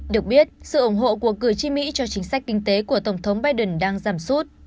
được biết sự ủng hộ của cử tri mỹ cho chính sách kinh tế của tổng thống biden đang giảm sút